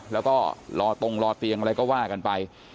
แล้วก็รอตรงรอเตียงอะไรก็ว่ากันไป